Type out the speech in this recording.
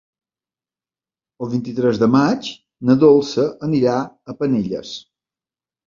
El vint-i-tres de maig na Dolça anirà a Penelles.